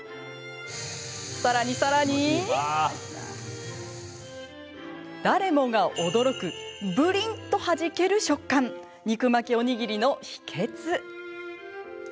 さらにさらに、誰もが驚くブリンとはじける食感肉巻きおにぎりの秘けつ。